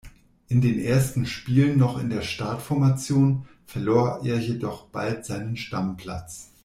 In den ersten Spielen noch in der Startformation, verlor er jedoch bald seinen Stammplatz.